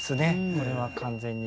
これは完全に。